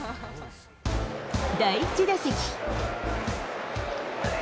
第１打席。